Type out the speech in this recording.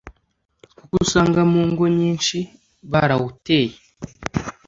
kuko usanga mu ngo nyinshi barawuteye,